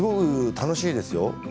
楽しいですよ。